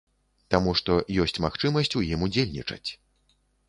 Таму, што ёсць магчымасць у ім удзельнічаць.